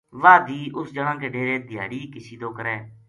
واہ دھی اُس جنا کے ڈیرے دھیاڑی کشیدو کرے